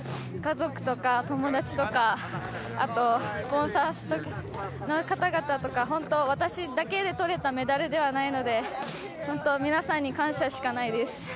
家族とか友達とかあとスポンサーの方々とか本当、私だけでとれたメダルではないので皆さんに感謝しかないです。